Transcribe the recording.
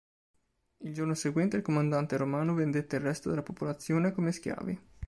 Il giorno seguente il comandante romano vendette il resto della popolazione come schiavi.